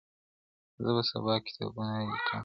زه به سبا کتابونه ليکم.